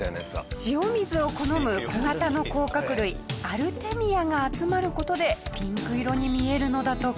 塩水を好む小型の甲殻類アルテミアが集まる事でピンク色に見えるのだとか。